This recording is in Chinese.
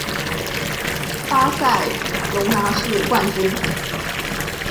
巴塞隆拿是冠军。